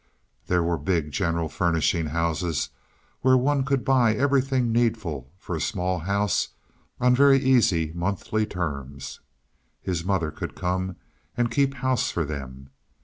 There were big general furnishing houses, where one could buy everything needful for a small house on very easy monthly terms. His mother could come and keep house for them.